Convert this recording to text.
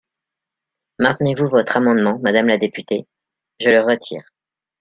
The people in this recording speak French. Maintenez-vous votre amendement, madame la députée ? Je le retire.